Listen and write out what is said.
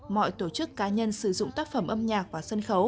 mọi tổ chức cá nhân sử dụng tác phẩm âm nhạc và sân khấu